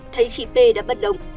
thấy chị p đã bất động